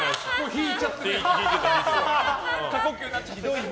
引いちゃってたね。